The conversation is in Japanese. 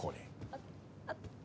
あっあっ。